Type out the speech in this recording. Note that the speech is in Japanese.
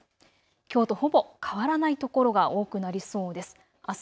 きょうとほぼ変わらないところが多くなりそうです。